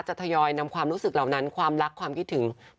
แล้วก็ยังมีศิลปินิลาอีกหลายท่านเลยนะคะ